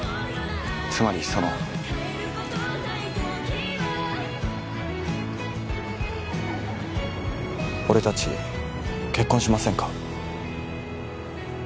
つまりその俺達結婚しませんか？